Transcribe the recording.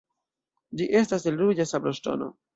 Ĝi estas el ruĝa sabloŝtono.